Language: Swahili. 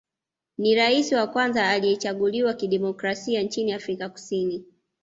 Ni rais wa kwanza aliyechaguliwa kidemokrasia nchini Afrika Kusini